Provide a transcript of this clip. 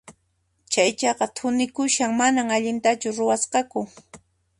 Chay chaka thunikushan, manan allintachu ruwasqaku.